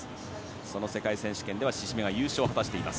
その世界選手権では、志々目が優勝を果たしています。